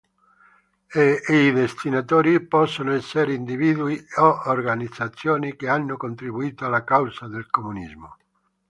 I destinatari possono essere individui o organizzazioni che hanno contribuito alla causa del comunismo.